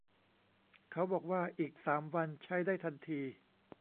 เขาบอกว่าอีกสามวันใช้ได้ทันที